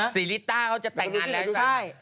ริต้าเขาจะแต่งงานแล้วใช่ไหม